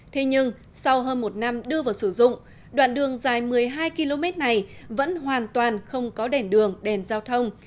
thế nhưng sau hơn một năm đưa vào sử dụng đoạn đường dài một mươi hai km này vẫn hoàn toàn không có đèn đường đèn giao thông